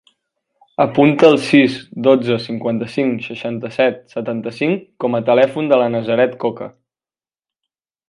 Apunta el sis, dotze, cinquanta-cinc, seixanta-set, setanta-cinc com a telèfon de la Nazaret Coca.